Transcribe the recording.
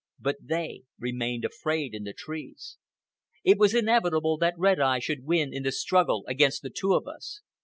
But they remained afraid in the trees. It was inevitable that Red Eye should win in the struggle against the two of us.